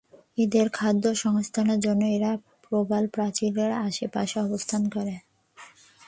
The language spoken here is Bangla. এদের খাদ্য সংস্থানের জন্য এরা প্রবাল প্রাচীরের আশে পাশে অবস্থান করে।